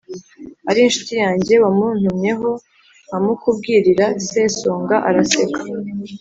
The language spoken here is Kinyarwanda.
ari inshuti yange, wamuntumyeho nkamukubwirira?” Sesonga araseka